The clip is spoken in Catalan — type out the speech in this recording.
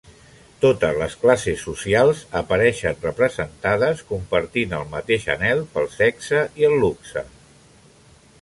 Totes les classes socials apareixen representades, compartint el mateix anhel pel sexe i el luxe.